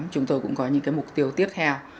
chúng tôi cũng có những mục tiêu tiếp theo